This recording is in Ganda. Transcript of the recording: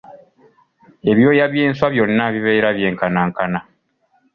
Ebyoya by’enswa byonna bibeera byenkanankana.